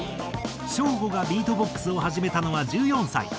ＳＨＯＷ−ＧＯがビートボックスを始めたのは１４歳。